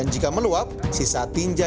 untuk ke lagu ini rekam